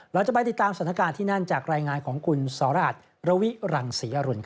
เราจะไปติดตามสถานการณ์ที่นั่นจากรายงานของคุณสราชระวิรังศรีอรุณ